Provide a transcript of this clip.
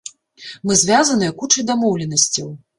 Мы звязаныя кучай дамоўленасцяў.